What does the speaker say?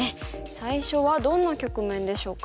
最初はどんな局面でしょうか。